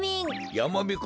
やまびこ